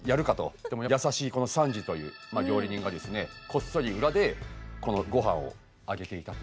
でも優しいこのサンジという料理人がですねこっそり裏でこのごはんをあげていたというシーン。